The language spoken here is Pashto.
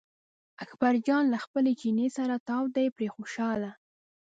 اکبر جان له خپل چیني سره تاو دی پرې خوشاله.